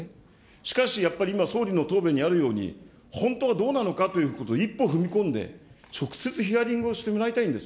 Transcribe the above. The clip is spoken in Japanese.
しかし、やっぱり今、総理の答弁にありますとおり、本当はどうなのかということを一歩踏み込んで、直接ヒアリングをしてもらいたいんです。